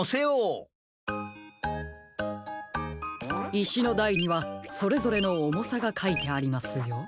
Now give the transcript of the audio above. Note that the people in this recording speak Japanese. いしのだいにはそれぞれのおもさがかいてありますよ。